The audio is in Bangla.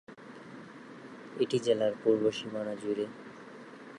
এটি জেলার পূর্ব সীমানা জুড়ে।